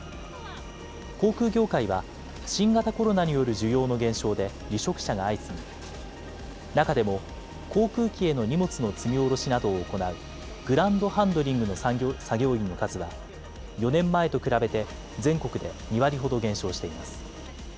航空業界は、新型コロナによる需要の減少で離職者が相次ぎ、中でも航空機への荷物の積み降ろしなどを行うグランドハンドリングの作業員の数は、４年前と比べて全国で２割ほど減少しています。